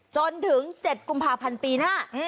จนถึง๗กุมภาพันธ์ปีหน้า